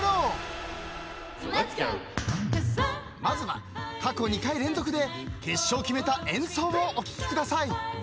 ［まずは過去２回連続で決勝を決めた演奏をお聴きください］